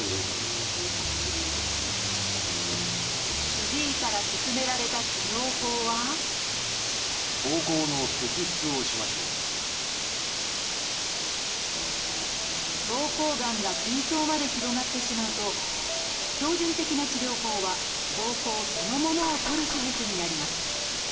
主治医から勧められた治療法は膀胱がんが筋層まで広がってしまうと標準的な治療法は膀胱そのものを取る手術になります。